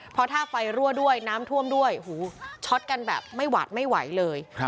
เพราะถ้าไฟรั่วด้วยน้ำท่วมด้วยหูช็อตกันแบบไม่หวาดไม่ไหวเลย